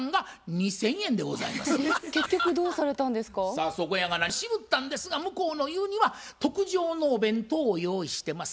さあそこやがな渋ったんですが向こうの言うには「特上のお弁当を用意してます。